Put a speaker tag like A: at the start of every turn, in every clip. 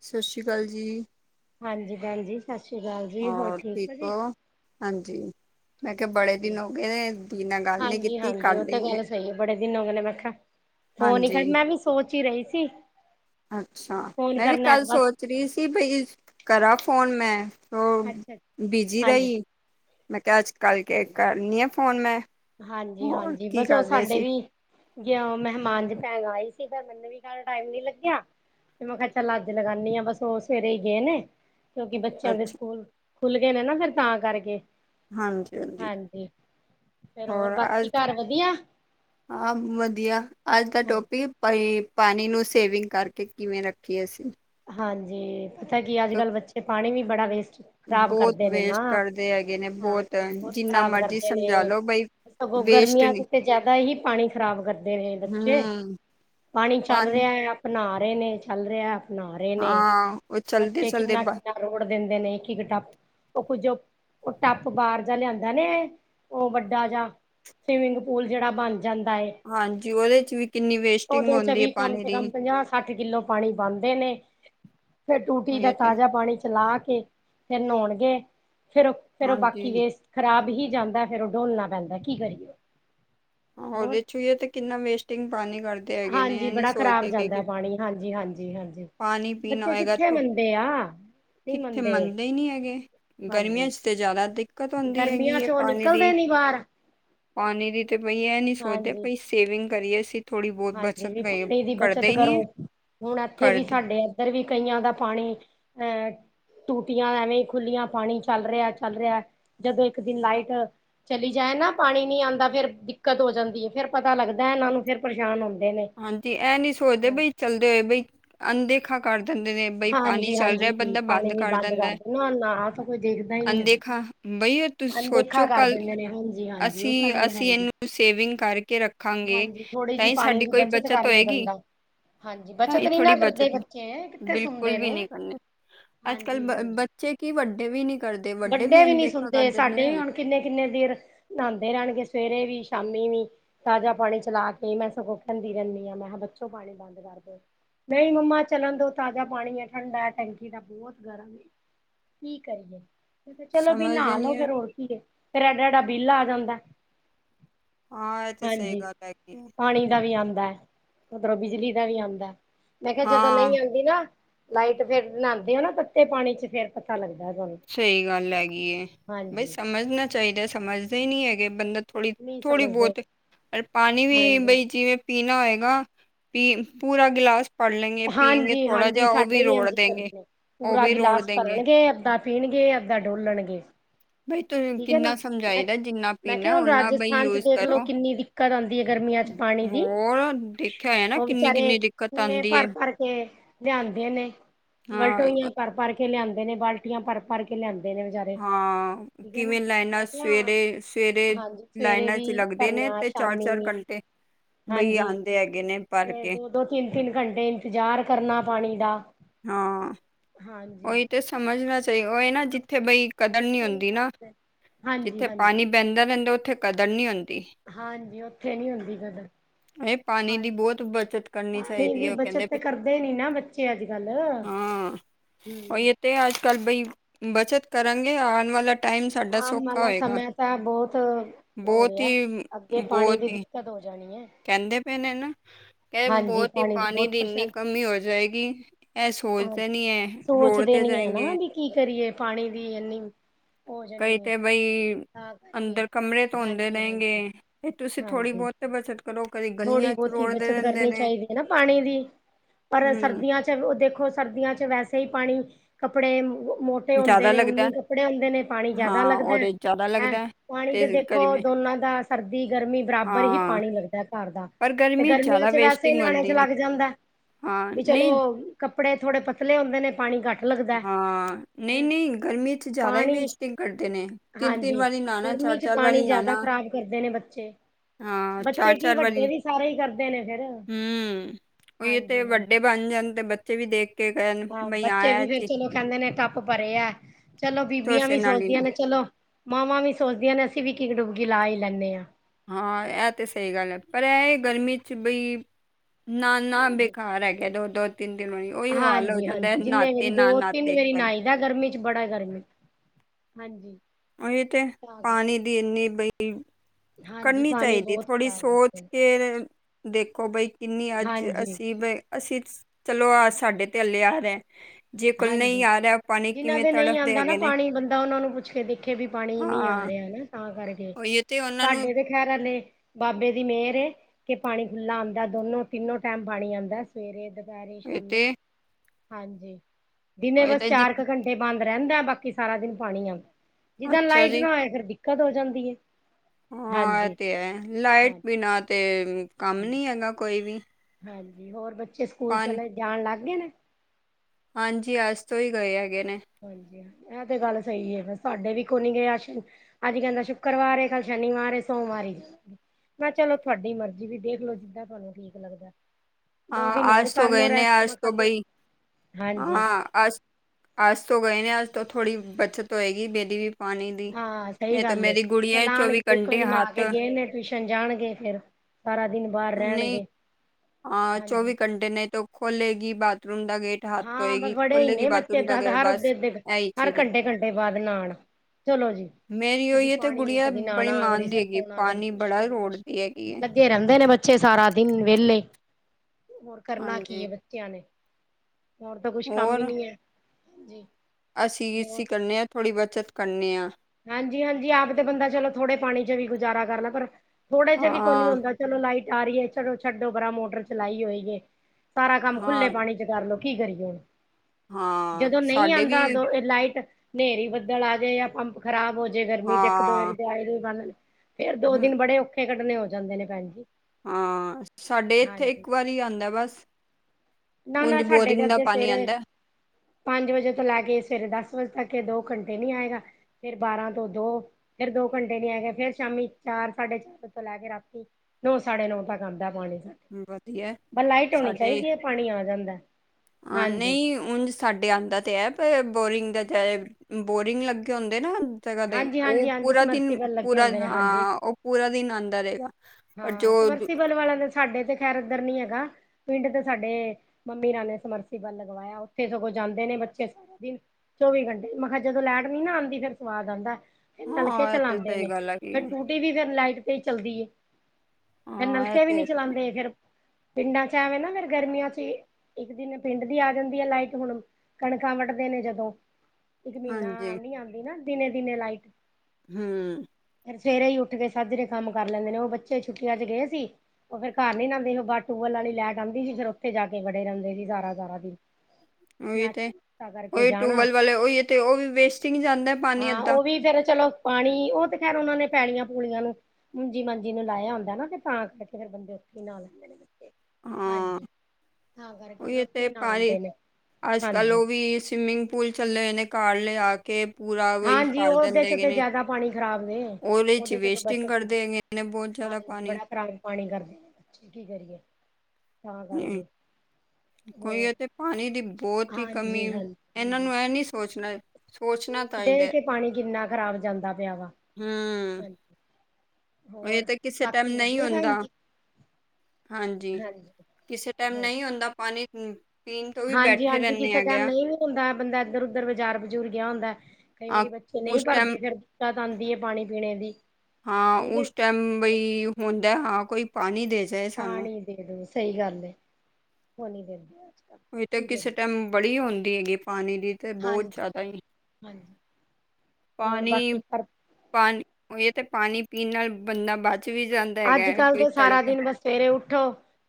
A: ਸਤਿ ਸ਼੍ਰੀ ਅਕਾਲ, ਜੀ?
B: ਹਾਂਜੀ ਭੈਣ ਜੀ, ਸਤਿ ਸ੍ਰੀ ਅਕਾਲ ਜੀ, ਹੋਰ ਠੀਕ ਓ ਜੀ?
A: ਹਾਂਜੀ, ਮੈਂ ਕਿਹਾ ਬੜੇ ਦਿਨ
B: ਜੀ।
A: ਹੋ ਗਏ ਨੇ, ਧੀ ਨਾਂਲ ਗੱਲ ਨੀ
B: ਹਾਂਜੀ
A: ਕੀਤੀ,
B: ਹਾਂਜੀ
A: ਕਰ
B: ਉਹ ਤਾਂ
A: ਲੈਣੇ ਆ
B: ਗੱਲ ਸਹੀ, ਬੜੇ ਦਿਨ ਹੋ ਗਏ ਨੇ, ਮੈਂ ਕਿਹਾ ਫੋਨ ਹੀ
A: ਹਾਂਜੀ,
B: ਕਰਨਾ ਸੀ, ਸੋਚ ਹੀ ਰਹੀ ਸੀ
A: ਅੱਛਾ,
B: ਫੋਨ
A: ਮੈਂ ਵੀ
B: ਕਰਨਾ
A: ਕੱਲ
B: ਬਸ
A: ਸੋਚ ਰਹੀ ਸੀ। ਬਈ ਕਰਾਂ ਫੋਨ ਮੈਂ ਹੋਰ
B: ਅੱਛਾ
A: ਬਿਜੀ
B: ਹਾਂਜੀ
A: ਰਹੀ, ਮੈਂ ਕਿਹਾ ਅੱਜ, ਕਰਕੇ ਕਰਨੀ ਆ ਫੋਨ ਮੈਂ
B: ਹਾਂਜੀ
A: ਹੋਰ
B: ਹਾਂਜੀ
A: ਕੀ
B: ਬਸ ਉਹ
A: ਕਰ ਰਹੇ
B: ਸਾਡੇ
A: ਸੀ
B: ਵੀ ਜ ਮਹਿਮਾਨ ਦੀ ਭੈਣ ਆਈ ਸੀ, ਤੇ ਮੈਨੂੰ, ਟਾਈਮ ਨਈ, ਲੱਗਿਆ ਮੈਂ ਕਿਹਾ, ਅੱਜ ਲਗਾਉਂਦੀ ਹਾਂ, ਬਸ ਉਹ ਸਵੇਰੇ ਹੀ ਗਏ ਨੇ ਕਿਉਂਕਿ, ਬੱਚਿਆਂ ਦੇ
A: ਅੱਛਾ
B: ਸਕੂਲ ਖੁੱਲ ਗਏ ਨੇ ਨਾ ਫਿਰ ਤਾਂ ਕਰਕੇ
A: ਹਾਂਜੀ ਹਾਂਜੀ।
B: ਫਿਰ
A: ਹੋਰ
B: ਬਾਕੀ
A: ਅੱਜ
B: ਘਰ ਵਧੀਆ
A: ਹਾਂ ਵਧੀਆ, ਅੱਜ ਦਾ
B: ਹਾਂ
A: ਟੋਪਿਕ? ਭਾਈ, ਪਾਣੀ ਨੂੰ ਸੇਵਿੰਗ ਕਰਕੇ, ਕਿਵੇਂ ਰੱਖੀਏ ਅਸੀਂ?
B: ਹਾਂਜੀ ਪਤਾ ਕੀ ਅੱਜ ਕੱਲ੍ਹ ਬੱਚੇ ਪਾਣੀ ਵੀ ਬੜਾ ਵੇਸਟ ਖ਼ਰਾਬ
A: ਬਹੁਤ
B: ਕਰਦੇ ਨੇ ਨਾ
A: ਵੇਸਟ ਕਰਦੇ ਹੈਗੇ ਨੇ ਬਹੁਤ
B: ਹਾਂਜੀ ਬਹੁਤ
A: ਜਿੰਨਾ
B: ਖਰਾਬ
A: ਮਰਜ਼ੀ
B: ਕਰਦੇ
A: ਸਮਝਾ
B: ਨੇ
A: ਲੋ ਬਈ
B: ਸਗੋਂ
A: ਵੇਸਟ
B: ਗਰਮੀਆਂ
A: ਨੀ
B: ਚ, ਤੇ ਜ਼ਿਆਦਾ ਹੀ, ਪਾਣੀ ਖ਼ਰਾਬ ਕਰਦੇ ਨੇ ਬੱਚੇ
A: ਹੂੰ
B: ਪਾਣੀ ਚੱਲ ਰਿਹਾ ਏ, ਆਪ ਨਹਾ ਰਹੇ ਨੇ, ਚੱਲ ਰਿਹਾ ਨਹਾ ਰਹੇ ਨੇ,
A: ਹਾਂ ਉਹ ਚਲਦੇ
B: ਬੱਚੇ
A: ਚਲਦੇ
B: ਕਿੰਨਾ
A: ਬ
B: ਕਿੰਨਾ ਰੋੜ ਦਿੰਦੇ ਨੇ ਇੱਕ ਇੱਕ ਟਪ ਉਹ ਕੁੱਝ, ਉਹ ਟੱਪ ਬਾਰ, ਜਿਹਾ ਲਿਆਂਦਾ ਨੇ ਉਹ ਵੱਡਾ ਜਿਹਾ ਸਵੀਮਿੰਗ ਪੂਲ, ਜਿਹੜਾ ਬਣ ਜਾਂਦਾ ਏ।
A: ਹਾਂਜੀ, ਉਹਦੇ ਵਿੱਚ ਵੀ, ਕਿੰਨੀ ਵੇਸਟਿੰਗ ਹੁੰਦੀ ਹੈ ਪਾਣੀ ਦੀ।
B: ਅੱਠ ਕਿੱਲੋ, ਪਾਣੀ ਪਾਦੇ ਨੇ, ਫਿਰ ਟੂਟੀ ਦਾ
A: ਉਹੀ ਤੇ
B: ਤਾਜ਼ਾ ਪਾਣੀ ਚਲਾ ਕੇ ਫਿਰ ਨਹਾਉਣਗੇ, ਫਿਰ ਫਿਰ ਉਹ
A: ਹਾਂਜੀ
B: ਬਾਕੀ ਵੇਸ ਖ਼ਰਾਬ ਹੀ ਜਾਂਦਾ ਫੇਰ ਉਹ ਡਢੋਲਣਾ ਪੈਂਦਾ ਕੀ ਕਰੀਏ
A: ਓਹਦੇ
B: ਹੋਰ
A: ਵਿੱਚ ਹੈ ਤੇ ਕਿੰਨਾ ਵੇਸਟਿੰਗ ਪਾਣੀ ਕਰਦੇ ਹੈਗੇ ਨੇ
B: ਹਾਂਜੀ
A: ਇਹ ਨੀ
B: ਬੜਾ ਖ਼ਰਾਬ
A: ਸੋਚਦੇ ਕਿ ਕਿ
B: ਜਾਂਦਾ ਪਾਣੀ ਹਾਂਜੀ ਹਾਂਜੀ ਹਾਂਜੀ
A: ਪਾਣੀ ਪੀਣਾ
B: ਬੱਚੇ
A: ਹੋਏਗਾ
B: ਕਿੱਥੇ
A: ਤੋ
B: ਮੰਨਦੇ ਆ ਨਹੀਂ
A: ਕਿੱਥੇ ਮੰਨਦੇ ਹੀ ਨਹੀਂੀ ਹੈਗੇ ਗਰਮੀਆਂ
B: ਹਾਂਜੀ
A: ਚ ਜ਼ਿਆਦਾ ਤੀਕ ਦਿੱਕਤ ਹੁੰਦੀ
B: ਗਰਮੀਆਂ
A: ਹੈਗੀ ਹੈ
B: ਚੋਂ
A: ਪਾਣੀ
B: ਨਿਕਲਦੇ
A: ਦੀ
B: ਨੀ ਬਾਹਰ
A: ਪਾਣੀ ਦੀ ਤੇ ਬਈ ਇਹ ਨੀ ਸੋਚਦੇ
B: ਹਾਂਜੀ
A: ਪਈ ਸੇਵਿੰਗ ਕਰੀਏ ਅਸੀਂ ਥੋੜ੍ਹੀ ਬਹੁਤ
B: ਹਾਂਜੀ
A: ਬੱਚਤ
B: ਵੀ ਪਾਣੀ ਦੀ
A: ਕਰਦੇ
B: ਬੱਚਤ
A: ਹੀ ਨਹੀਂੀ ਹੈ
B: ਕਰੋ ਹੁਣ ਇੱਥੇ ਵੀ
A: ਕਰਦੇ
B: ਸਾਡੇ ਇੱਧਰ ਵੀ ਕਈਆਂ ਦਾ ਪਾਣੀ ਅਹ ਟੂਟੀਆਂ ਐਵੇਂ ਖੁੱਲੀਆਂ ਪਾਣੀ ਚੱਲ ਰਿਹਾ ਚੱਲ ਰਿਹਾ ਜਦੋਂ ਇੱਕ ਦਿਨ ਲਾਈਟ ਚਲੀ ਜਾਏ ਨਾ ਪਾਣੀ ਨੀ ਆਉਂਦਾ ਫੇਰ ਦਿੱਕਤ ਹੋ ਜਾਂਦੀ ਹੈ ਫੇਰ ਪਤਾ ਲੱਗਦਾ ਇਹਨਾਂ ਨੂੰ ਫੇਰ ਪਰੇਸ਼ਾਨ ਹੁੰਦੇ ਨੇ
A: ਹਾਂਜੀ ਇਹ ਨੀ ਸੋਚਦੇ ਬਈ ਚੱਲਦੇ ਹੋਏ ਬਈ ਅਣਦੇਖਾ ਕਰ ਦਿੰਦੇ ਨੇ ਬਈ ਪਾਣੀ
B: ਹਾਂਜੀ
A: ਚੱਲ ਰਿਹਾ
B: ਹਾਂਜੀ
A: ਬੰਦਾ
B: ਪਾਣੀ
A: ਬੰਦ
B: ਵੀ
A: ਕਰ ਦਿੰਦਾ
B: ਦੋ ਨਾ ਨਾ ਤਾਂ ਕੋਈ ਦੇਖਦਾ ਹੀ ਨਹੀਂ ਹੈਗਾ
A: ਅੰਦੇਖਾ ਬਈ ਤੁਸੀਂ
B: ਅਣਦੇਖਾ
A: ਸੋਚੋ
B: ਕਰ
A: ਕੱਲ
B: ਦਿੰਦੇ ਨੇ ਹਾਂਜੀ ਹਾਂਜੀ
A: ਅਸੀਂ
B: ਉਹ ਤਾਂ ਗੱਲ ਹੈ
A: ਅਸੀਂ
B: ਹੀ
A: ਇਹਨੂੰ ਸੇਵਿੰਗ ਕਰਕੇ ਰੱਖ ਰੱਖਾਂਗੇ
B: ਹਾਂਜੀ ਥੋੜ੍ਹੀ
A: ਤਾਂ
B: ਜਿਹੀ
A: ਹੀ
B: ਪਾਣੀ
A: ਸਾਡੀ
B: ਦੀ
A: ਕੋਈ
B: ਬੱਚਤ ਕਰ ਲਏ ਬੰਦਾ ਹਾਂਜੀ
A: ਤਾਂ
B: ਬੱਚਤ
A: ਹੀ
B: ਨੀ
A: ਥੋੜ੍ਹੀ
B: ਨਾ ਕਰਦੇ
A: ਬੱਚਤ
B: ਬੱਚੇ ਹੈ
A: ਬਿਲਕੁਲ ਵੀ ਨਹੀਂੀ ਕਰਨੇ ਅੱਜ ਕੱਲ੍ਹ
B: ਹਾਂਜੀ
A: ਬ
B: ਹਾਂਜੀ
A: ਬੱਚੇ ਕੀ ਵੱਡੇ ਵੀ ਨਹੀਂੀ ਕਰਦੇ ਵੱਡੇ ਵੀ
B: ਨੀ
A: ਅਣਦੇਖਾ
B: ਸੁਣਦੇ
A: ਕਰ ਦਿੰਦੇ
B: ਸਾਡੇ ਵੀ
A: ਨੇ
B: ਹੁਣ ਕਿੰਨੇ ਕਿੰਨੇ ਦੇਰ ਨਹਾਉਂਦੇ ਰਹਿਣਗੇ ਸਵੇਰੇ ਵੀ ਸ਼ਾਮੀ ਵੀ ਤਾਜ਼ਾ ਪਾਣੀ ਚਲਾ ਕੇ ਮੈਂ ਸਗੋਂ ਕਹਿੰਦੀ ਰਹਿੰਦੀ ਹਾਂ ਮੈਂ ਕਿਹਾ ਬੱਚੋਂ ਪਾਣੀ ਬੰਦ ਕਰ। ਨਹੀਂ ਮੰਮਾ ਚੱਲਣ ਦੋ। ਤਾਜ਼ਾ ਪਾਣੀ ਹੈ ਠੰਡਾ ਹੈ ਟੈਂਕੀ ਦਾ ਬਹੁਤ ਗਰਮ ਹੈ ਕੀ ਕਰੀਏ। ਮੈਂ ਚਲੋ ਬ ਨਾ
A: ਸਮਝਦੇ ਨਹੀਂ
B: ਲਓ
A: ਹੈ
B: ਫਿਰ ਹੋਰ ਕੀ ਹੈ ਫਿਰ ਐਡਾ ਐਡਾ ਬਿੱਲ ਆ ਜਾਂਦਾ।
A: ਹਾਂ ਇਹ ਤੇ ਸਹੀ
B: ਹਾਂਜੀ
A: ਗੱਲ ਹੈਗੀ ਹੈ।
B: ਪਾਣੀ ਦਾ ਵੀ ਆਉਂਦਾ ਹੈ। ਉਧਰੋਂ ਬਿਜਲੀ ਦਾ ਵੀ ਆਉਂਦਾ ਮੈਂ ਕਿਹਾ ਜਦੋਂ
A: ਹਾਂ
B: ਨਹੀਂ ਆਉਂਦਾ ਨਾ ਲਾਈਟ ਫੇਰ ਨਉਂਦੇ ਆ ਨਾ ਪੱਤੇ ਪਾਣੀ ਚ ਫੇਰ ਪਤਾ ਲੱਗਦਾ ਤੁਹਾਨੂੰ।
A: ਸਹੀ ਗੱਲ ਹੈਗੀ ਬਾਈ
B: ਹਾਂਜੀ
A: ਸਮਝਣਾ ਚਾਹੀਦਾ ਸਮਝਦੇ ਨੀ ਹੈਗੇ ਬੰਦਾ ਥੋੜੀ
B: ਨਹੀਂ
A: ਥੋੜੀ
B: ਸਮਝਦੇ
A: ਬਹੁਤ ਪਾਣੀ ਵੀ
B: ਹਾਂਜੀ
A: ਬਈ ਜਿਵੇਂ ਪੀਣਾ ਹੋਏਗਾ ਪੀ ਪੂਰਾ ਗਿਲਾਸ ਪੀ
B: ਹਾਂਜੀ ਹਾਂਜੀ ਸਾਡੇ ਵੀ ਹਾਂਜੀ ਕਰਦੇ
A: ਦੇਂਗੇ
B: ਨੇ
A: ਉਹ
B: ਪੂਰਾ
A: ਵੀ ਰੋੜ
B: ਗਿਲਾਸ
A: ਦੇਂਗੇ
B: ਭਰਨਗੇ ਅਧਾ ਪੀਣਗੇ ਅਧਾ ਡੋਲਣਗੇ
A: ਬਈ ਤੁ
B: ਠੀਕ ਹੈ ਨਾ
A: ਕਿੰਨਾ
B: ਮੈਂ
A: ਸਮਝਾਈਦਾ ਜਿੰਨਾ
B: ਮੈਂ
A: ਪੀਣਾ
B: ਕਿਹਾ ਹੁਣ
A: ਓਨਾ ਬਈ
B: ਰਾਜਸਥਾਨ ਚ
A: ਯੂਜ
B: ਦੇਖਲੋ
A: ਕਰੋ
B: ਕਿੰਨੀ ਦਿੱਕਤ ਆਉਂਦੀ ਹੈ ਗਰਮੀਆਂ ਚ ਪਾਣੀ ਦੀ
A: ਹੋਰ ਦੇਖਿਆ ਹੋਇਆ ਨਾ
B: ਉਹ
A: ਕਿੰਨੀ
B: ਵਿਚਾਰੇ
A: ਕਿੰਨੀ ਦਿੱਕਤ
B: ਕਿਿਵੇਂ
A: ਆਂਦੀ ਏ
B: ਭਰ ਕਰਕੇ ਲਿਆਂਦੇ ਨੇ
A: ਹਾਂ
B: ਵਲਟੋਈਆਂ ਭਰ ਭਰ ਕੇ ਲਿਆਂਦੇ ਨੇ ਬਾਲਟੀਆਂ ਭਰ ਭਰ ਕੇ ਲਿਆਂਦੇ ਨੇ ਵਿਚਾਰੇ
A: ਹਾਂ।
B: ਠੀਕ ਹੈ ਨਾ
A: ਕਿਵੇਂ ਲਾਈਨਾਂ
B: ਮੈਂ ਕਿਹਾ
A: ਸਵੇਰੇ ਸਵੇਰੇ
B: ਹਾਂਜੀ ਸਵੇਰੇ
A: ਲਾਈਨਾਂ
B: ਵੀ
A: ਚ ਲੱਗਦੇ ਨੇ
B: ਭਰਨਾ
A: ਤੇ ਚਾਰ
B: ਸ਼ਾਮੀ
A: ਚਾਰ
B: ਵੀ
A: ਘੰਟੇ ਬਈ
B: ਹਾਂਜੀ
A: ਆਉਂਦੇ ਹੈਗੇ ਨੇ ਭਰ
B: ਤੇ
A: ਕੇ।
B: ਦੋ ਦੋ ਤਿੰਨ ਤਿੰਨ ਘੰਟੇ ਇੰਤਜ਼ਾਰ ਕਰਨਾ ਪਾਣੀ ਦਾ।
A: ਹਾਂ।
B: ਹਾਂਜੀ।
A: ਉਹੀ ਤੇ ਸਮਝਣਾ ਚਾਹੀ ਉਹ ਨਾ ਜਿੱਥੇ
B: ਬਿਲਕੁਲ,
A: ਬਈ ਕਦਰ ਨੀ
B: ਬੱਚੇ
A: ਹੁੰਦੀ ਨਾ
B: ਸਮਝਦੇ।
A: ਜਿੱਥੇ
B: ਹਾਂਜੀ-ਹਾਂਜੀ,
A: ਪਾਣੀ ਬਹਿੰਦਾ ਰਹਿੰਦਾ ਉੱਥੇ ਕਦਰ ਨੀ ਆਉਂਦੀ।
B: ਹਾਂਜੀ ਉੱਥੇ ਨੀ ਹੁੰਦੀ ਕਦਰ।
A: ਇਹ ਪਾਣੀ ਦੀ
B: ਹਾਂਜੀ
A: ਬਹੁਤ ਬੱਚਤ ਕਰਨੀ
B: ਪਾਣੀ
A: ਚਾਹੀਦੀ ਹੈ
B: ਦੀ
A: ਉਹ ਕਹਿੰਦੇ
B: ਬੱਚਤ
A: ਵੀ
B: ਕਰਦੇ ਨੀ ਨਾ ਬੱਚੇ ਅੱਜ ਹੈਲੋ
A: ਹੋ ਇਹ ਤੇ ਆੱਜ ਕੱਲ ਬਈ ਬੱਚਤ ਕਰਾਂਗੇ ਆਉਣ ਵਾਲਾ ਟਾਈਮ ਸਾਡਾ
B: ਆਮ
A: ਸੌਖਾ
B: ਵਾਲਾ
A: ਹੋਏਗਾ
B: ਸਮਿਆਂ ਤਾਂ ਬਹੁਤ ਹੋ
A: ਬਹੁਤ
B: ਰਿਹਾ
A: ਹੀ
B: ਅੱਗੇ ਪਾਣੀ
A: ਬਹੁਤ
B: ਦੀ ਦਿਕ
A: ਹੀ
B: ਕਦੋਂ ਹੋ ਜਾਣੀ ਹੈ।
A: ਕਹਿੰਦੇ ਪਏ ਨੇ ਨਾ, ਕ ਬਹੁਤ ਹੀ ਪਾਣੀ ਦੀ ਇੰਨੀ ਕਮੀ ਹੋ ਜਾਏਗੀ। ਇਹ
B: ਹਾਂ,
A: ਸੋਚਦਾ ਨਹੀਂ ਹੈ, ਰੋਡ
B: ਸੋਚਦੇ
A: 'ਤੇ
B: ਨੀ ਐ ਨਾ
A: ਜਾਂਗੇ।
B: ਵੀ ਕੀ ਕਰੀਏ ਪਾਣੀ ਦੀ ਇਨੀ
A: ਕਈ ਤੇ ਬਈ
B: ਕਰਕੇ
A: ਅੰਦਰ ਕਮਰੇ ਧੋਂਦੇ
B: ਹਾਂਜੀ-ਹਾਂਜੀ,
A: ਰਣਗੇ ਤੇ ਤੁਸੀਂ
B: ਹਾਂਜੀ।
A: ਥੋੜ੍ਹੀ
B: ਹਾਂਜੀ,
A: ਬਹੁਤ ਤੇ ਬਾ।
B: ਥੋੜ੍ਹੀ ਬਹੁਤੀ ਬੱਚਤ ਕਰਨੀ ਚਾਹੀਦੀ ਹੈ ਨਾ ਪਾਣੀ ਦੀ ਪਰ
A: ਹੂੰ
B: ਸਰਦੀਆਂ ਚ ਦੇਖੋ ਸਰਦੀਆਂ ਚ ਵੈਸੇ ਹੀ ਪਾਣੀ ਕੱਪੜੇ ਮੋ ਹੁੰਦੇ
A: ਜ਼ਿਆਦਾ
B: ਨੇ
A: ਲੱਗਦਾ ਹੈ।
B: ਉਨੀ ਕੱਪੜੇ ਹੁੰਦੇ ਨੇ ਪਾਣੀ ਜਿਆਦਾ
A: ਹਾਂ
B: ਲੱਗਦਾ
A: ਉਹਦੇ ਜ਼ਿਆਦਾ
B: ਹੈਂ,
A: ਲੱਗਦਾ ਹੈ,
B: ਪਾਣੀ ਦੇ
A: ਤੇ
B: ਦੇਖੋ
A: ਗਰਮੀ
B: ਦੋਨਾਂ ਦਾ ਸਰਦੀ, ਗਰਮੀ ਬਰਾਬਰ ਹੀ
A: ਹਾਂ
B: ਪਾਣੀ ਲੱਗਦਾ। ਕਰਦਾ
A: ਪਰ
B: ਤੇ
A: ਗਰਮੀ
B: ਗਰਮੀਆਂ
A: ਜ਼ਿਆਦਾ
B: ਚ ਵੈਸੇ ਹੀ
A: ਵੇਸਟਿੰਗ
B: ਨਹਾਉਣੇ ਚ
A: ਹੁੰਦੀ ਹੈ
B: ਲੱਗ ਜਾਂਦਾ
A: ਹਾਂ
B: ਵੀ ਚਲੋ
A: ਨਹੀਂ
B: ਕੱਪੜੇ ਥੋੜੇ ਪਤਲੇ ਹੁੰਦੇ ਨੇ ਪਾਣੀ ਘੱਟ। ਲੱਗਦਾ
A: ਹਾਂ ਨਹੀਂ ਨਹੀਂ ਗਰਮੀ ਚ ਜ਼ਿਆਦਾ ਹੀ
B: ਪਾਣੀ
A: ਵੇਸਟਿੰਗ ਕਰਦੇ ਨੇ ਤਿੰਨ- ਤਿੰਨ
B: ਹਾਂਜੀ
A: ਵਾਰੀ ਨਾ ਨਾ
B: ਗਰਮੀ
A: ਛੱਡ
B: ਪਾਣੀ ਜਿਆਦਾ ਖ਼ਰਾਬ ਕਰਦੇ ਨੇ ਬੱਚੇ।
A: ਹਾਂ ਚਾਰ-
B: ਬੱਚੇ ਕੀ
A: ਚਾਰ ਵਾਰੀ,
B: ਵੱਡੇ ਵੀ ਸਾਰੇ ਹੀ ਕਰਦੇ ਨੇ ਫੇਰ
A: ਹਮ ਉਹੀ ਤੇ
B: ਹਾਂਜੀ
A: ਵੱਡੇ
B: ਹਾਂਜੀ
A: ਬਣ ਜਾਣ ਤੇ ਬੱਚੇ ਵੀ ਦੇਖ ਕੇ ਕਰਨ
B: ਹਾਂ,
A: ਬਈ
B: ਬੱਚੇ ਵੀ
A: ਆਇਆ।
B: ਫੇਰ ਚਲੋ, ਕਹਿੰਦੇ ਨੇ ਟੱਪ ਭਰੇ ਹੈ ਚਲੋ ਬੀਬੀਆਂ
A: ਢੋਸੇ
B: ਵੀ
A: ਨਾਲ ਹੀ
B: ਸੋਚਦੀਆਂ ਨੇ ਚਲੋ ਮਾਵਾਂ ਵੀ ਸੋਚਦੀਆਂ ਨੇ ਅਸੀਂ ਵੀ ਕਿਗ ਡੁਬਕੀ ਲਾ ਹੀ ਲੈਂਦੇ ਹਾਂ।
A: ਹਾਂ, ਇਹ ਤਾਂ ਸਹੀ ਗੱਲ ਹੈ ਪਰ ਇਹ ਗਰਮੀ 'ਚ ਬਈ ਨਾ- ਨਾ
B: ਹਾਂਜੀ।
A: ਬੇਕਾਰ ਹੈਗਾ ਦੋ -ਦੋ ਤਿੰਨ ਦਿਨ ਹੋ। ਉਹੀ ਹਾਲ
B: ਹਾਂਜੀ,
A: ਜਾਂਦਾ ਹੈ
B: ਹਾਂਜੀ ਜਿੰਨੇ
A: ਨਾਤੇ
B: ਮੇਰੀ
A: ਨਾ
B: ਦੋ ਤਿੰਨ
A: ਨਾਤੇ ਇੱਕ
B: ਮੇਰੀ
A: ਵਾਰੀ
B: ਨਾਈ ਦਾ ਗਰਮੀ ਚ ਬੜਾ ਗਰਮੀ ਹਾਂਜੀ
A: ਉਹੀ ਤੇ
B: ਤਾਂ ਕਰਕੇ
A: ਪਾਣੀ ਦੀ ਇੰਨੀ ਬਈ
B: ਹਾਂਜੀ
A: ਕਰਨੀ
B: ਪਾਣੀ
A: ਚਾਹੀਦੀ
B: ਬਹੁਤ
A: ਥੋੜ੍ਹੀ
B: ਖ਼ਰਾਬ
A: ਸੋਚ
B: ਕਰਦੇ ਨੇ
A: ਕੇ ਦੇਖੋ ਬਈ ਕਿੰਨੀ ਅੱਜ
B: ਹਾਂਜੀ
A: ਅਸੀਂ ਬ ਅਸੀਂ ਚਲੋ ਸਾਡੇ ਤੇ ਅੱਲੇ ਆਖਦੇ
B: ਹਾਂਜੀ, ਜਿਨਾਂ ਦੇ ਨਹੀਂ
A: ਤੜਫਦੇ
B: ਆਉਂਦਾ ਨਾ
A: ਹੈਗੇ ਨੇ
B: ਪਾਣੀ ਬੰਦਾ ਉਹਨਾ ਨੂੰ ਪੁੱਛ ਕੇ ਦੇਖੇ ਵੀ ਪਾਣੀ ਨਹੀਂ ਆ
A: ਹਾਂ
B: ਰਿਹਾ ਹਨਾ ਤਾਂ ਕਰਕੇ,
A: ਉਹੀ ਤੇ ਉਹਨਾਂ ਨੂੰ
B: ਸਾਡੇ ਤੇ ਖਹਿਰੇ ਬਾਬੇ ਦੀ ਮਿਹਰ ਏ ਕਿ ਪਾਣੀ ਖੁੱਲਾ ਆਂਦਾ ਦੋਨੋ ਤਿੰਨੋ ਟਾਈਮ ਪਾਣੀ ਆਂਦਾ ਸਵੇਰੇ, ਦੁਪਹਿਰੇ,
A: ਇਹ ਤੇ
B: ਸ਼ਾਮੀ ਹਾਂਜੀ। ਦਿਨੇ
A: ਇਹ
B: ਬਸ
A: ਤੇ ਜਿ-
B: ਚਾਰ ਕੁ ਘੰਟੇ ਬੰਦ ਰਹਿੰਦਾ, ਬਾਕੀ ਸਾਰਾ ਦਿਨ ਪਾਣੀ ਆਉਂਦਾ ਜਿੱਦਾਂ
A: ਅੱਛਾ
B: ਲਾਈਟ
A: ਜੀ
B: ਨਾ ਹੋਇਆ ਫਿਰ। ਕਦੋ ਜਾਂਦੀ
A: ਹਾਂ, ਇਹ
B: ਹਾਂਜੀ।
A: ਤੇ ਹੈ ਲਾਈਟ
B: ਹਾਂ
A: ਬਿਨਾਂ ਤੇ ਕੰਮ ਨੀ ਹੈਗਾ ਕੋਈ ਵੀ
B: ਹਾਂਜੀ, ਹੋਰ ਬੱਚੇ ਸਕੂਲ
A: ਪਾਣੀ
B: ਚਲੇ ਜਾਣ ਲੱਗ ਗਏ ਨੇ?
A: ਹਾਂਜੀ, ਅੱਜ ਤੋਂ ਹੀ ਗਏ ਹੈਗੇ ਨੇ।
B: ਹਾਂਜੀ ਹ ਇਹ ਤੇ ਗੱਲ ਸਹੀ ਹੈ ਬ ਸਾਡੇ ਵੀ ਕੋ ਨੀ ਗਏ। ਅੱਜ ਕਹਿੰਦਾ ਸ਼ੁੱਕਰਵਾਰ ਕੱਲ ਸ਼ਨੀਵਾਰ ਸੋਮਵਾਰ। ਮੈਂ ਚਲੋ ਤੁਹਾਡੀ ਮਰਜ਼ੀ ਵੀ ਦੇਖਲੋ ਜਿੱਦਾਂ ਤੁਹਾਨੂੰ ਠੀਕ ਲੱਗਦਾ। ਦੋ
A: ਹਾਂ
B: ਦਿਨ ਹੋਰ
A: ਆਜ ਤੋਂ
B: ਕਰ ਲੋ
A: ਗਏ ਨੇ,
B: ਰੈਸਟ
A: ਆਜ
B: ਮੈਂ ਕਿਹਾ
A: ਤੋਂ
B: ਫਿਰ
A: ਬਈ
B: ਹਾਂਜੀ।
A: ਹਾਂ। ਅਜ ਅੱਜ ਤੋਂ ਗਏ ਨੇ, ਅੱਜ ਤੋਂ ਥੋੜ੍ਹੀ ਬੱਚਤ ਹੋਏਗੀ ਮੇਰੀ ਵੀ ਪਾਣੀ ਦੀ
B: ਹਾਂ ਸਹੀ
A: ਇਹ ਤਾਂ
B: ਗੱਲ ਏ
A: ਮੇਰੀ
B: ਚੱਲ
A: ਗੁੜੀਆਂ ਚੌਵੀ
B: ਆਣਗੇ ਇੱਕ
A: ਘੰਟੇ
B: ਵਾਰੀ ਨਹਾ
A: ਹੱਥ
B: ਕੇ ਗਏ ਨੇ ਟਿਊਸ਼ਨ ਜਾਣਗੇ, ਫਿਰ ਸਾਰਾ ਦਿਨ ਬਾਹਰ ਰਹਿਣਗੇ ਹਾਂਜੀ।
A: ਨੇ ਤੋਂ ਖੋਲੇਗੀ ਬਾਥਰੂਮ ਦਾ ਗੇਟ
B: ਹਾਂ ਫੜੇਈ ਨੇ ਬੱਚੇ ਏਦਾਂ ਹਰ
A: ਬਸ
B: ਅਧੇ -ਅੱਧੇ
A: ਇਹੀ
B: ਹਰ
A: ਚੀਜ਼ ਹੈ
B: ਘੰਟੇ- ਘੰਟੇ ਬਾਅਦ ਨਹਾਉਣ ਚਲੋ ਜੀ।
A: ਮੇਰੀ
B: ਕਦੀ
A: ਹੋਈ ਹੈ ਤੇ
B: ਪਾਣੀ,
A: ਗੁੜੀਆ
B: ਕਦੇ
A: ਬੜੀ
B: ਨਹਾਣਾ, ਕਦੀ
A: ਮਾਨਦੀ
B: ਸਿਰ
A: ਹੈਗੀ
B: ਧੋਣਾ, ਕਦੀ
A: ਪਾਣੀ
B: ਕੁਛ
A: ਬੜਾ
B: ਕਦੇ ਕੁਛ
A: ਰੋੜਦੀ ਹੈਗੀ ਹੈ
B: ਕਦੇ। ਰਹਿੰਦੇ ਨੇ ਬੱਚੇ ਸਾਰਾ ਦਿਨ ਵਿਹਲੇ, ਹੋਰ ਕਰਨਾ ਕੀ
A: ਹਾਂਜੀ
B: ਹੈ ਬੱਚਿਆਂ ਨੇ। ਹੋਰ ਤਾਂ ਕੁਛ ਕੰਮ ਹੀ
A: ਹੋਰ
B: ਨੀ ਹੈ, ਜੀ
A: ਅਸੀਂ ਇਸ
B: ਹੋਰ
A: ਕਰੇ ਹਾਂ, ਥੋੜ੍ਹੀ ਬੱਚਤ ਕਰਨੇ ਹਾਂ
B: ਹਾਂਜੀ- ਹਾਂਜੀ ਆਪ ਤੇ ਬੰਦਾ ਚਲੋ ਥੋੜੇ ਪਾਣੀ ਚ ਵੀ ਗੁਜ਼ਾਰਾ ਕਰਨਾ ਪਰ ਥੋੜੇ ਚ ਵੀ ਕੋਈ ਨੀ
A: ਹਾਂ
B: ਹੁੰਦਾ। ਚਲੋ ਲਾਈਟ ਆ ਰਹੀ ਹੈ, ਚਲੋ ਛੱਡੋ ਪਰਾਂ ਮੋਟਰ ਚਲਾਈ ਹੋਈ ਸਾਰਾ ਕੰਮ
A: ਹਾਂ
B: ਖੁੱਲੇ ਪਾਣੀ ਚ ਕਰ ਲੋਓ ਕੀ ਕਰੀਏ ਹੁਣ,
A: ਹਾਂ,
B: ਜਦੋਂ ਨਹੀਂ
A: ਸਾਡੇ ਵੀ
B: ਆਉਂਦਾ ਉਦੋਂ ਇਹ ਲਾਈਟ ਹਨੇਰੀ ਬੱਦਲ ਆ ਜਾਏ ਜਾਂ ਪੰਪ ਖਰਾਬ ਹੋ ਜੇ ਗਰਮੀ ਚ ਇੱਕ ਦੋ
A: ਹਾਂ,
B: ਵਾਰੀ ਤੇ ਆਏ [unintelligible] ਫੇਰ ਦੋ
A: ਹੂੰ,
B: ਦਿਨ ਬੜੇ ਔਖੇ ਕੱਢਣੇ ਹੋ ਜਾਂਦੇ ਨੇ ਭੈਣ ਜੀ।
A: ਹਾਂ ਸਾਡੇ ਇੱਥੇ
B: ਹਾਂਜੀ
A: ਇੱਕ ਵਾਰੀ ਆਉਂਦਾ ਬਸ।
B: ਨਾ ਨਾ
A: ਉਂਝ
B: ਸਾਡੇ ਤੇ
A: ਬੋਰਿੰਗ ਦਾ
B: ਇੱਥੇ
A: ਪਾਣੀ
B: ਸਵੇਰੇ
A: ਆਂਦਾ,
B: ਪੰਜ ਵਜੇ ਤੋਂ ਲੈ ਕੇ ਸਵੇਰੇ ਦਸ ਵਜੇ ਤੱਕ ਇਹ ਦੋ ਘੰਟੇ ਨਹੀਂ ਆਏਗਾ। ਫਿਰ ਬਾਰਾਂ ਤੋਂ ਦੋ ਫਿਰ ਦੋ ਘੰਟੇ ਨਹੀਂ ਹੈਗੇ ਫੇਰ ਸ਼ਾਮੀ ਚਾਰ ਸਾਢੇ ਚਾਰ ਤੋਂ ਲੈ ਕੇ ਰਾਤੀ ਨੌ ਸਾਢੇ ਨੌ ਤੱਕ ਆਉਂਦਾ ਪਾਣੀ
A: ਵਧੀਆ
B: ਪਰ ਲਾਈਟ ਹੋਣੀ
A: ਸਾਡੇ
B: ਚਾਹੀਦੀ ਹੈ ਪਾਣੀ ਆ ਜਾਂਦਾ।
A: ਹਾਂ
B: ਹਾਂਜੀ
A: ਨਹੀਂ। ਉਝ ਸਾਡੇ ਆਉਂਦਾ ਤਾਂ ਹੈ ਪਰ ਬੋਰਿੰਗ ਦਾ ਬੋਰਿੰਗ ਲੱਗੇ ਹੁੰਦੇ ਨਾ। ਜਗ੍ਹਾ ਤੇ
B: ਹਾਂਜੀ
A: ਉਹ
B: ਹਾਂਜੀ ਹਾਂਜੀ
A: ਪੂਰਾ ਦਿਨ
B: ਸਮਰਸੀਬਲ ਲੱਗੇ
A: ਪੂਰਾ
B: ਹੁੰਦੇ ਨੇ ਹਾਂਜੀ
A: ਹਾਂ ਉਹ ਪੂਰਾ ਦਿਨ ਆਉਂਦਾ ਹੈਗਾ।
B: ਹਾਂ ਸਮਰਸੀਬਲ ਵਾਲਾ ਦੇ ਸਾਡੇ ਤੇ ਖੈਰ ਇਧਰ ਨਹੀਂ ਹੈਗਾ। ਪਿੰਡ ਤੇ ਸਾਡੇ ਮੰਮੀ ਹੁਣਾ ਨੇ ਸਮਰਸੀਬਲ ਲਗਵਾਇਆ ਉੱਥੇ ਸਗੋਂ ਜਾਂਦੇ ਨੇ ਬੱਚੇ ਸਾਰਾ ਦਿਨ। ਚੌਵੀ ਘੰਟੇ ਮੈਂ ਕਿਹਾ ਜਦੋਂ ਲਾਈਟ ਨਹੀਂ ਨਾ ਆਉਂਦੀ ਫਿਰ ਸਵਾਦ ਆਉਂਦਾ ਐ। ਫਿਰ ਨਲਕੇ
A: ਹਾਂ, ਇਹ ਤੇ
B: ਚਲਾਉਂਦੇ
A: ਸਹੀ
B: ਨੇ
A: ਗੱਲ ਹੈਗੀ
B: ਫਿਰ
A: ਏ।
B: ਟੂਟੀ ਵੀ ਫਿਰ ਲਾਈਟ ਤੇ ਹੀ ਚੱਲਦੀ ਐ। ਫਿਰ
A: ਹਾਂ, ਇਹ
B: ਨਲਕੇ ਵੀ
A: ਤੇ
B: ਨਹੀਂ
A: ਹੈ।
B: ਚਲਾਉਂਦੇ ਫਿਰ। ਪਿੰਡਾਂ ਚ ਐਵੇਂ ਨਾ ਫਿਰ ਗਰਮੀਆਂ ਚ ਇੱਕ ਦਿਨ ਪਿੰਡ ਦੀ ਆ ਜਾਂਦੀ ਆ ਲਾਈਟ ਹੁਣ। ਕਣਕਾਂ ਵੱਡਦੇ ਨੇ ਜਦੋਂ ਇੱਕ ਮਹੀਨਾ
A: ਹਾਂਜੀ,
B: ਨਹੀਂ ਆਉਂਦੀ ਨਾ ਦਿਨੇ ਦਿਨੇ ਲਾਈਟ।
A: ਹੂੰ।
B: ਫਿਰ ਸਵੇਰੇ ਹੀ ਉੱਠ ਕੇ ਸਾਜਰੇ ਕੰਮ ਕਰ ਲੈਂਦੇ ਨੇ। ਉਹ ਬੱਚੇ ਛੁੱਟੀਆਂ ਚ ਗਏ ਸੀ। ਉਹ ਫਿਰ ਘਰ ਨਹੀਂ ਨਾਂਦੇ ਸੀ ਬਾਰ ਟਿਊਬਵੈੱਲ ਆਲੀ ਲਾਈਟ ਆਉਂਦੀ ਸੀ ਫਿਰ ਉੱਥੇ ਜਾ ਕੇ ਵੜੇ ਰਹਿੰਦੇ ਸੀ ਸਾਰ ਸਾਰਾ ਦਿਨ।
A: ਹ [inaudible] ਉਹੀ ਤੇ
B: ਨਾਸ਼ਤਾ ਨੁਸ਼ਤਾ ਕਰਕੇ
A: ਉਹੀ
B: ਜਾਣਾ
A: ਟਿਊਬਵੈਲ ਵਾਲੇ ਉਹੀ ਤੇ ਉਹ ਵੀ ਵੇਸਟਿੰਗ ਜਾਂਦਾ ਐ ਪਾਣੀ
B: ਹਾਂ
A: ਅੱਧਾ।
B: ਉਹ ਵੀ ਫੇਰ ਚਲੋ ਪਾਣੀ ਉਹ ਤੇ ਖੈਰ ਉਹਨਾ ਨੇ ਪੈਲੀਆਂ ਪੂਲੀਆਂ ਨੂੰ ਮੁੂੰਜੀ ਮੰਜੀ ਜਿਹਨੂੰ ਲਾਇਆ ਹੁੰਦਾ ਨਾ ਤੇ ਤਾਂ ਕਰਕੇ ਫਿਰ ਬੰਦੇ ਉੱਥੇ ਹੀ ਨਾ ਲੈਂਦੇ ਨੇ ਬੱਚੇ ਹਾਂਜੀ। ਤਾਂ ਕਰਕੇ
A: ਉਹ
B: ਫਿਰ
A: ਇਹ
B: ਉੱਥੇ
A: ਤੇ
B: ਹੀ
A: ਭਾਈ
B: ਨਹਾਂਦੇ ਨੇ
A: ਅੱਜ ਕੱਲ੍ਹ
B: ਹਾਂਜੀ
A: ਉਹ ਵੀ ਸਵਿਮਿੰਗ ਪੂਲ ਚੱਲੇ ਹੋਏ ਨੇ ਘਰ ਲਿਆ ਕੇ ਪੂਰਾ ਵਹੀ
B: ਹਾਂਜੀ
A: ਭਰ
B: ਉਹਦੇ
A: ਦਿੰਦੇ
B: ਚ
A: ਹੈਗੇ
B: ਤੇ
A: ਨੇ
B: ਜ਼ਿਆਦਾ ਪਾਣੀ ਖ਼ਰਾਬ ਨੇ
A: ਉਹਦੇ ਚ ਵੇਸਟਿੰਗ ਕਰਦੇ ਹੈਗੇ। ਮੈਂ ਬਹੁਤ ਜਿਆਦਾ
B: ਹਾਂਜੀ
A: ਪਾਣੀ
B: ਬੜਾ ਖ਼ਰਾਬ ਪਾਣੀ ਘਰ ਕੀ ਕਰੀਏ। ਘਰ
A: ਹਮ,
B: ਗਏ।
A: ਕੋਈ ਇਥੇ ਪਾਣੀ ਦੀ ਬਹੁਤ ਹੀ ਕਮੀ
B: ਹਾਂਜੀ ਹਾਂਜੀ
A: ਇਹਨਾਂ ਨੂੰ ਇਹ ਨਹੀਂ ਸੋਚਣਾ ਸੋਚਣਾ ਚਾਹੀਦਾ
B: ਦੇਖ
A: ਹੈ।
B: ਕੇ ਪਾਣੀ ਕਿੰਨਾ ਖ਼ਰਾਬ ਜਾਂਦਾ ਪਿਆ ਵਾ।
A: ਹੂੰ ਇਹ
B: ਹੋਰ
A: ਤਾਂ ਕਿਸੇ ਟਾਈਮ
B: ਬਾਕੀ
A: ਨਹੀਂ
B: ਵਧੀਆ
A: ਹੁੰਦਾ।
B: ਭੈਣ ਜੀ
A: ਹਾਂਜੀ ਕਿਸੇ ਟਾਈਮ
B: ਹੋ
A: ਨਹੀਂ ਹੁੰਦਾ ਪਾਣੀ ਪੀਣ ਤੋਂ ਵੀ
B: ਹਾਂਜੀ
A: ਬੈਠੇ
B: ਹਾਂਜੀ
A: ਰਹਿੰਦੇ
B: ਕਿਸੇ
A: ਹੈਗੇ
B: ਟਾਈਮ
A: ਆ ਗਿਆ
B: ਨਹੀਂ ਵੀ ਹੁੰਦਾ ਬੰਦਾ ਇੱਧਰ ਉੱਧਰ ਬਾਜ਼ਾਰ ਬਜੂਰ ਗਿਆ ਹੁੰਦਾ। ਕਈ
A: ਆ,
B: ਵਾਰੀ ਬੱਚੇ ਨਹੀਂ
A: ਉਸ ਟਾਈਮ
B: ਭਰਦੇ ਫਿਰ ਦਿੱਕਤ ਆਉਂਦੀ ਹੈ ਪਾਣੀ ਪੀਣੇ ਦੀ।
A: ਹਾਂ
B: ਠੀਕ ਹੈ
A: ਉਸ ਟਾਈਮ ਬਈ ਹੁੰਦਾ ਹਾਂ ਕੋਈ ਪਾਣੀ ਦੇ ਜਾਏ ਸਾਨੂੰ
B: ਪਾਣੀ ਦੇ ਦੋ ਸਹੀ ਗੱਲ ਐ। ਉਹ ਨਹੀਂ ਦਿੰਦਾ।
A: ਇਹ ਤਾਂ ਕਿਸੇ ਟਾਈਮ ਬੜੀ ਹੁੰਦੀ ਹੈਗੀ ਪਾਣੀ ਦੀ। ਤੇ ਬਹੁਤ
B: ਹਾਂਜੀ
A: ਜ਼ਿਆਦਾ ਹੀ
B: ਹਾਂਜੀ ਹੋਰ ਬਾਕੀ
A: ਪਾਣੀ
B: ਘਰ
A: ਪਾਣੀ ਇਹ ਤੇ ਪਾਣੀ ਪੀਣ ਨਾਲ ਬੰਦਾ ਬਚ ਵੀ ਜਾਂਦਾ ਹੈਗਾ
B: ਅੱਜ
A: ਹੈ,
B: ਕੱਲ੍ਹ
A: ਕੋਈ
B: ਤੇ ਸਾਰਾ
A: ਤੜਫਦਾ
B: ਦਿਨ ਬਸ ਸਵੇਰੇ ਉੱਠੋ।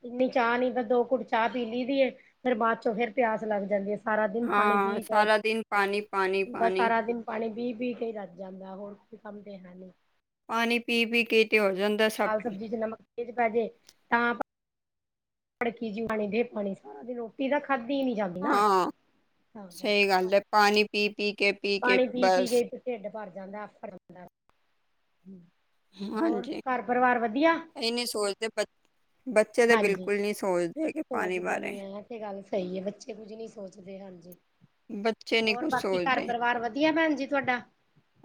B: ਇੰਨੀ ਚਾਹ ਨਹੀਂ ਤਾਂ ਦੋ ਘੁੱਟ ਚਾਹ ਪੀ ਲਈ ਦੀ ਏ ਫੇਰ ਬਾਅਦ ਚੋਂ ਫੇਰ ਪਿਆਸ ਲੱਗ ਜਾਂਦੀ ਹੈ। ਸਾਰਾ ਦਿਨ ਪਾਣੀ
A: ਹਾਂ
B: ਪੀ ਕੇਏ
A: ਸਾਰਾ ਦਿਨ ਪਾਣੀ ਪਾਣੀ ਪਾਣੀ
B: ਸਾਰਾ ਦਿਨ ਪਾਣੀ ਪੀ ਪੀ ਕੇ ਹੀ ਰਜ ਜਾਂਦਾ ਹੋਰ ਕੋਈ ਕੰਮ ਤੇ ਹੈ ਨਹੀਂ।
A: ਪਾਣੀ ਪੀ ਪੀ ਕੇ ਤੇ ਹੋ ਜਾਂਦਾ ਐ।
B: ਦਾਲ ਸਬਜ਼ੀ ਚ ਨਮਕ ਤੇਜ਼ ਪੈਜੇ ਤਾਂ ਭੜਕੀ ਜਿਹੀ ਪਾਣੀ ਦੇ ਪਾਣੀ ਸਾਰਾ ਰੋਟੀ ਤਾਂ ਖਾਧੀ ਨਹੀਂ ਜਾਂਦੀ। ਨਾ
A: ਹਾਂ
B: ਤਾਂ
A: ਸਹੀ
B: ਕਰਕੇ
A: ਗੱਲ ਏ ਪਾਣੀ ਪੀ ਪੀ ਕੇ ਪੀ ਕੇ
B: ਪਾਣੀ ਪੀ
A: ਬਸ
B: ਕੇ ਢਿੱਡ ਭਰ ਜਾਂਦਾ ਆਫਰ ਜਾਂਦਾ। ਹੋਰ
A: ਹਾਂਜੀ
B: ਘਰ ਪਰਿਵਾਰ ਵਧੀਆ।
A: ਇਹ ਨਹੀਂ ਸੋਚਦੇ ਬ ਬੱਚੇ ਤੇ
B: ਹਾਂਜੀ
A: ਬਿਲਕੁਲ ਨੀ ਸੋਚਦੇ ਹੈਗੇ। ਪਾਣੀ
B: ਸੋਚਦੇ
A: ਬਾਰੇ
B: ਨੀ ਹੈ ਐ ਤੇ ਗੱਲ ਸਹੀ ਹੈ ਬੱਚੇ ਕੁੱਝ ਨੀ ਸੋਚਦੇ ਹਾਂਜੀ
A: ਬੱਚੇ ਨਹੀਂ
B: ਹੋਰ
A: ਕੁਝ
B: ਬਾਕੀ ਘਰ
A: ਸੋਚਦੇ
B: ਪਰਿਵਾਰ ਵਧੀਆ ਭੈਣ ਜੀ ਤੁਹਾਡਾ?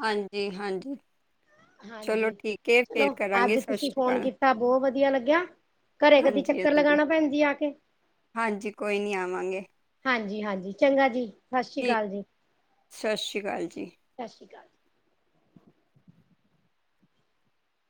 A: ਹਾਂਜੀ ਹਾਂਜੀ ਚਲੋ
B: ਹਾਂਜੀ
A: ਠੀਕ ਹੈ
B: ਚਲੋ
A: ਫਿਰ ਕਰਾਂਗੇ
B: ਅੱਜ
A: ਸਤਿ
B: ਤੁਸੀਂ
A: ਸ਼੍ਰੀ
B: ਫੋਨ
A: ਅਕਾਲ
B: ਕੀਤਾ ਬਹੁਤ ਵਧੀਆ ਲੱਗਿਆ। ਘਰੇ ਕਦੀ
A: ਹਾਂਜੀ
B: ਚੱਕਰ
A: ਹਾਂਜੀ
B: ਲਗਾਣਾ ਭੈਣ ਜੀ ਆ ਕੇ।
A: ਹਾਂਜੀ ਕੋਈ ਨਹੀਂ ਆਵਾਂਗੇ।
B: ਹਾਂਜੀ ਹਾਂਜੀ ਚੰਗਾ ਜੀ ਸਤਿ ਸ੍ਰੀ
A: ਠੀਕ
B: ਅਕਾਲ ਜੀ।
A: ਸਤਿ ਸ਼੍ਰੀ ਅਕਾਲ ਜੀ।
B: ਸਤਿ ਸ਼੍ਰੀ ਅਕਾਲ